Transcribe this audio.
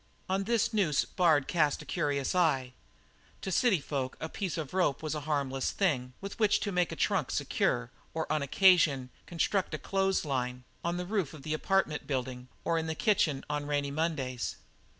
On this noose Bard cast a curious eye. To cityfolk a piece of rope is a harmless thing with which one may make a trunk secure or on occasion construct a clothes line on the roof of the apartment building, or in the kitchen on rainy Mondays.